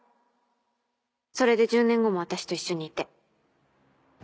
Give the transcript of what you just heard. それで１０年後も私と一緒にいて